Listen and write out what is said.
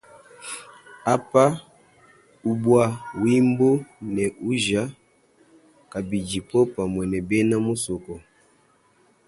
Apa, ubwa wimbo ne uja kabidi popamwe we bena musoko.